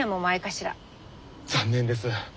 残念です。